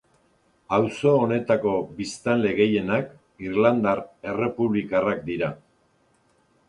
Auzo honetako biztanle gehienak irlandar errepublikarrak dira.